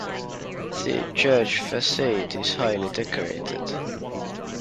The church facade is highly decorated.